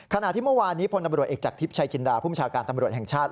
ขณะที่เมื่อวานนี้พลตำรวจเอกจากทิพย์ชัยจินดาภูมิชาการตำรวจแห่งชาติ